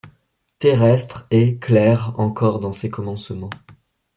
Terrestre et claire encor dans ses commencements